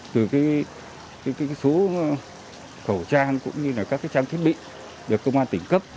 từ số khẩu trang cũng như là các trang thiết bị được công an tỉnh cấp